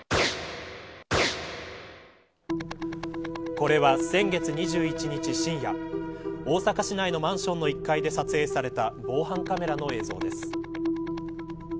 これは先月２１日深夜大阪市内のマンションの１階で撮影された防犯カメラの映像です。